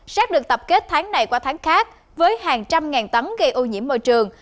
rác được tập kết tháng này qua tháng khác với hàng trăm ngàn tấm gây ưu nhiễm môi trường